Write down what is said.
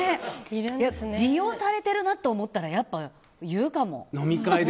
利用されてるなと思ったらやっぱり言うかも。